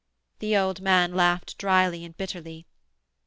The old man laughed dryly and bitterly.